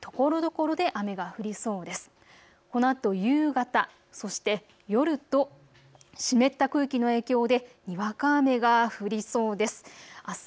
このあと夕方、そして夜と湿った空気の影響でにわか雨が降りそうです。